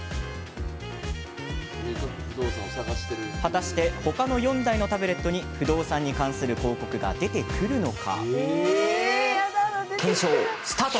果たして他の４台のタブレットに不動産に関する広告が出てくるのか。